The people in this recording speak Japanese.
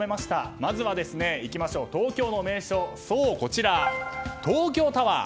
まずは、東京の名所東京タワー。